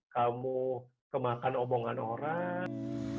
kamu kemakan omongan orang